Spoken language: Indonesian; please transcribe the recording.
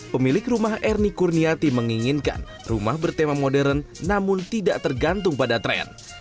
pemilik rumah ernie kurniati menginginkan rumah bertema modern namun tidak tergantung pada tren